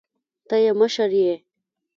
ته يې مشر يې.